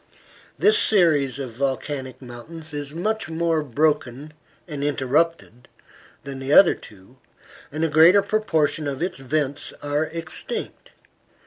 This series of volcanic mountains is much more broken and interrupted than the other two, and a greater proportion of its vents are extinct.